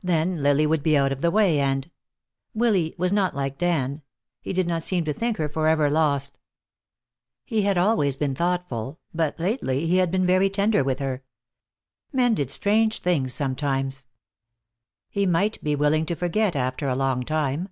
Then Lily would be out of the way, and Willy was not like Dan; he did not seem to think her forever lost. He had always been thoughtful, but lately he had been very tender with her. Men did strange things sometimes. He might be willing to forget, after a long time.